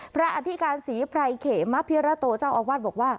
พระอาทิการศรีไพรเขมพิราโตเจ้าออกวัดบอกว่า